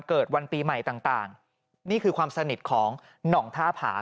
ปี๖๓ก็ไปปี๖๒ก็ไปไม่เคยขาดไม่เคยเว้นทุกปี